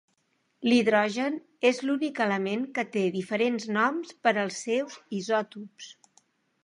L'hidrogen és l'únic element que té diferents noms per als seus isòtops.